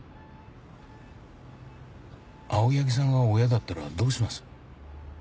青柳さんが親だったらどうします？